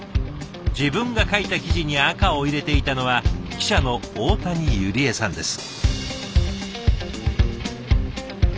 自分が書いた記事に赤を入れていたのは記者の大谷百合絵さんです。